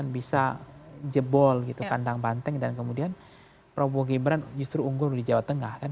bisa jebol gitu kandang banteng dan kemudian prabowo gibran justru unggul di jawa tengah kan